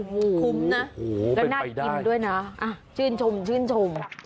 คุ้มนะโหน่ากินด้วยนะชื่นชม